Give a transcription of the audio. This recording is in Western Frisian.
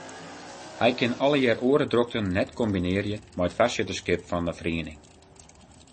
Hij kin allegear oare drokten net kombinearje mei it foarsitterskip fan 'e feriening.